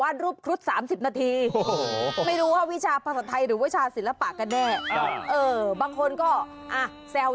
อันนั้นจดหมายส่วนตัว